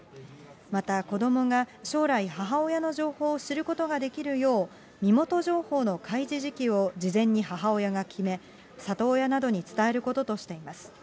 また、子どもが将来、母親の情報を知ることができるよう、身元情報の開示時期を事前に母親が決め、里親などに伝えることとしています。